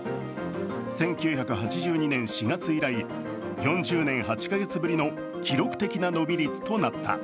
１９８２年４月以来４０年８か月ぶりの記録的な伸び率となった。